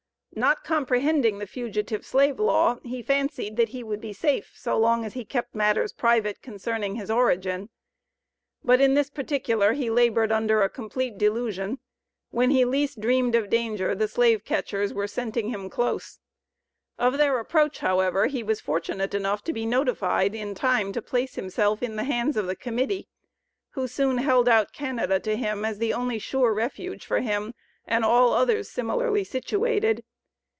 Not comprehending the Fugitive Slave Law he fancied that he would be safe so long as he kept matters private concerning his origin. But in this particular he labored under a complete delusion when he least dreamed of danger the slave catchers were scenting him close. Of their approach, however, he was fortunate enough to be notified in time to place himself in the hands of the Committee, who soon held out Canada to him, as the only sure refuge for him, and all others similarly situated.